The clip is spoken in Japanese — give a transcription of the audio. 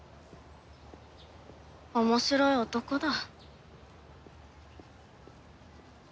面白い男だ。